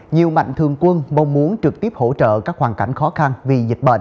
nhiều mạnh thường quân mong muốn trực tiếp hỗ trợ các hoàn cảnh khó khăn vì dịch bệnh